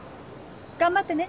頑張ってね！